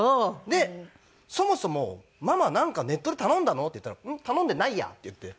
で「そもそもママなんかネットで頼んだの？」って言ったら「ん？頼んでないや」って言って。